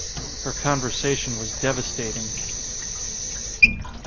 Her conversation was devastating.